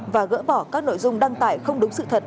và gỡ bỏ các nội dung đăng tải không đúng sự thật